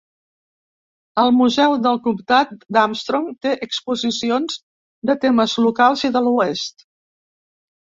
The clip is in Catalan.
El museu del comtat d'Armstrong té exposicions de temes locals i de l'oest.